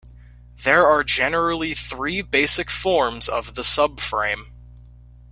There are generally three basic forms of the subframe.